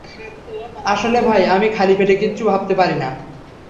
আসলে ভাই, আমি খালি পেটে কিচ্ছু ভাবতে পারি নাহ।